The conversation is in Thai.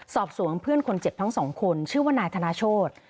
สอบสวนเพื่อนคนเจ็บทั้งสองคนชื่อว่านายธนาโชธ